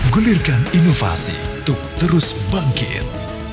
gulirkan inovasi untuk terus bangkit